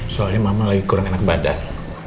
soalnya mama lagi kurang enak badan